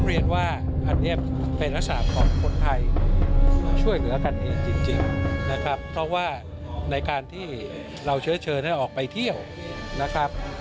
อันเนียม๓ของคนไทยช่วยเหนือกันจริงนะครับเพราะว่าในการที่เราเชิญให้ออกไปเที่ยวนะครับ